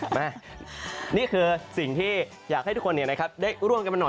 นี่คือสิ่งที่อยากให้ทุกคนได้ร่วมกันมาหน่อย